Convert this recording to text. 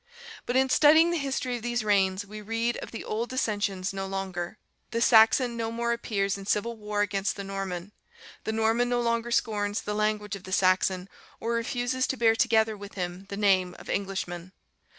But in studying the history of these reigns, we read of the old dissensions no longer. The Saxon no more appears in civil war against the Norman; the Norman no longer scorns the language of the Saxon, or refuses to bear together with him the name of Englishman.